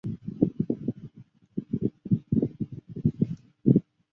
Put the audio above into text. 海内外客属社团将近约千名客家后裔会一起聚会并祭拜祖先。